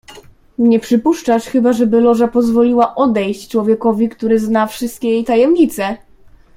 "Nie przypuszczasz chyba, żeby Loża pozwoliła odejść człowiekowi, który zna wszystkie jej tajemnice?"